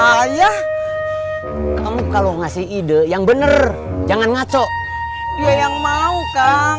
ayah kamu kalau ngasih ide yang benar jangan ngaco ya yang mau kang